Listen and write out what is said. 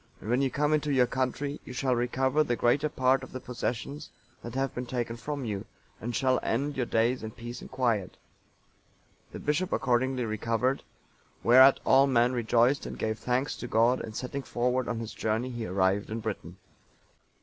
And when you come into your country, you shall recover the greater part of the possessions that have been taken from you, and shall end your days in peace and quiet.' " The bishop accordingly recovered, whereat all men rejoiced and gave thanks to God, and setting forward on his journey, he arrived in Britain.